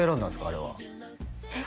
あれはえっ？